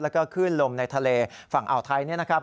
แล้วก็ขึ้นลมในทะเลฝั่งอ่าวไทยเนี่ยนะครับ